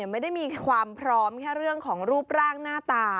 ไม่ได้มีความพร้อมแค่เรื่องของรูปร่างหน้าตา